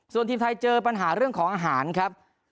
ส่วนทีมไทยเจอปัญหาเรื่องของอาหารครับ